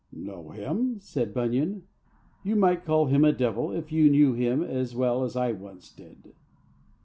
"Know him?" said Bunyan. "You might call him a devil if you knew him as well as I once did."